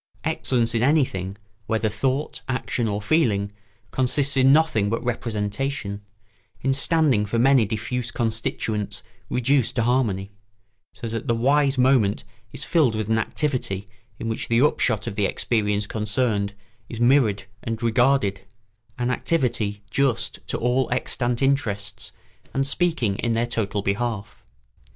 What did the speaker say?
Excellence in anything, whether thought, action, or feeling, consists in nothing but representation, in standing for many diffuse constituents reduced to harmony, so that the wise moment is filled with an activity in which the upshot of the experience concerned is mirrored and regarded, an activity just to all extant interests and speaking in their total behalf.